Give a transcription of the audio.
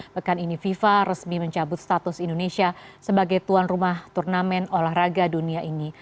pekan ini fifa resmi mencabut status indonesia sebagai tuan rumah turnamen olahraga dunia ini